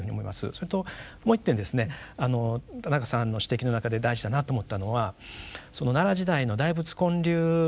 それともう一点ですね田中さんの指摘の中で大事だなと思ったのは奈良時代の大仏建立からですね